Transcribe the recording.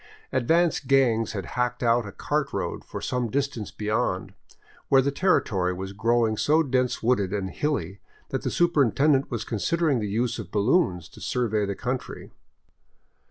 Advance gangs had hacked out a cart road for some distance beyond, where the territory was growing so dense wooded and hilly that the superintendent was considering the use of balloons to survey the country.